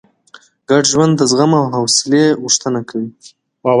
ګډ ژوند د زغم او حوصلې غوښتنه کوي.